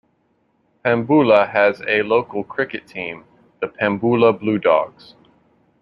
Pambula has a local cricket team, the Pambula Bluedogs.